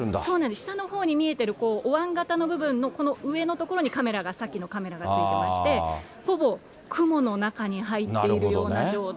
下のほうに見えてる、おわん型の部分のこの上の所にさっきのカメラが付いてまして、ほぼ雲の中に入っているような状態。